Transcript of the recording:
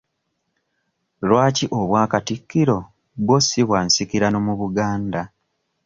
Lwaki obwakatikkiro bwo si bwa nsikirano mu Buganda?